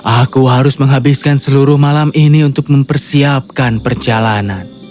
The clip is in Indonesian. aku harus menghabiskan seluruh malam ini untuk mempersiapkan perjalanan